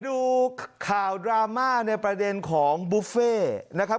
ดูข่าวดราม่าในประเด็นของบุฟเฟ่นะครับ